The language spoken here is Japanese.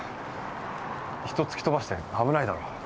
人を突き飛ばして危ないだろ。